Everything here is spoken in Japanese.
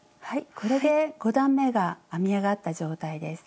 これで５段めが編みあがった状態です。